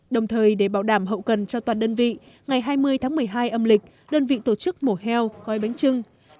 đồng thời để bảo đảm hậu cần cho toàn đơn vị ngày hai mươi tháng một mươi hai âm lịch đơn vị tổ chức mổ heo gói bánh trưng